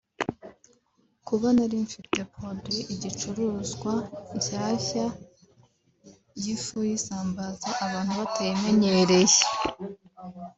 Kuba nari mfite produit (igicuruzwa) nshyashya y’ifu y’isambaza abantu batayimenyereye